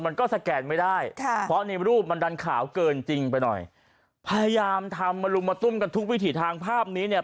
มันก็สแกนไม่ได้ค่ะเพราะในรูปมันดันขาวเกินจริงไปหน่อยพยายามทำมาลุมมาตุ้มกันทุกวิถีทางภาพนี้เนี่ย